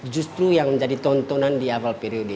justru yang menjadi tontonan di awal periode